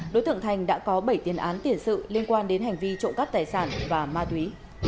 đối tượng thành đã có bảy tiền án tiền sự liên quan đến hành vi trộm cắp tài sản và ma túy